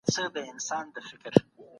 ولي په کابل کي صنعتي پانګونه مهمه ده؟